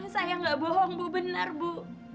saya nggak bohong bu benar bu